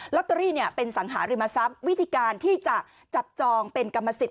ตเตอรี่เป็นสังหาริมทรัพย์วิธีการที่จะจับจองเป็นกรรมสิทธิ